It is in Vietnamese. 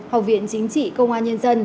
học viện chính trị công an nhân dân